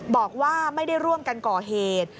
บอกว่าไม่ได้ร่วมกันก่อเหตุ